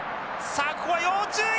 さあここは要注意！